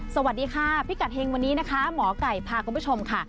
สวัสดีค่ะพิกัดเฮงวันนี้นะคะหมอไก่พาคุณผู้ชมค่ะ